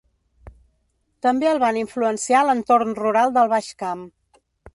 També el van influenciar l'entorn rural del Baix Camp.